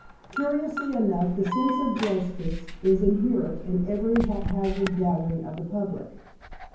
Curiously enough, the sense of justice is inherent in every haphazard gathering of the public.